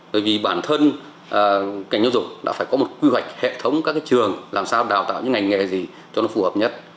bởi vì bản thân cảnh giáo dục đã phải có một quy hoạch hệ thống các trường làm sao đào tạo những ngành nghề gì cho nó phù hợp nhất